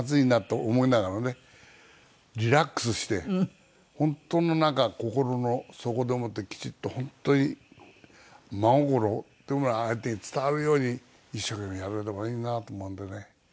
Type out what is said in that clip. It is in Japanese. リラックスして本当のなんか心の底でもってきちっと本当に真心っていうものが相手に伝わるように一生懸命やれればいいなと思うんでね。